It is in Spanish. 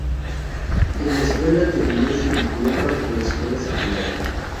En la escuela terminó su diploma de escuela secundaria.